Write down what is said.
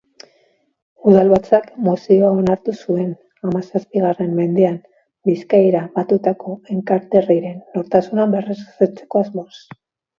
Udalbatzak mozioa onartu zuen, hamazazpigarren mendean Bizkaira batutako Enkarterriren nortasuna berrezartzeko asmoz.